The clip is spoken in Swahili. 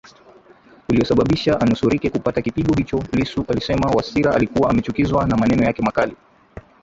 uliosababisha anusurike kupata kipigo hicho Lissu alisema Wasira alikuwa amechukizwa na maneno yake makali